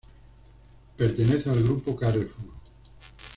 Pertenece al grupo Carrefour.